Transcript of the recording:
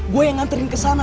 gue yang nganterin kesana